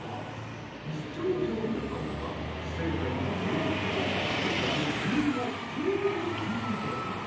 視聴者の皆さんには不正解のＡと正解のＢを交互に聴いていただきます